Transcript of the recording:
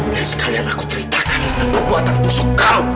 dan sekalian aku ceritakan perbuatan tusuk kamu